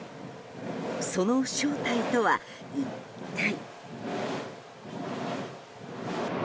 その正体とは、一体。